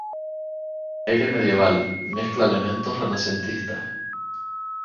De aire medieval, mezcla elementos renacentistas.